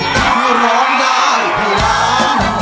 คุณตั้มร้องใจครับ